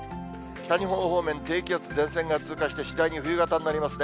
北日本方面、低気圧、前線が通過して、次第に冬型になりますね。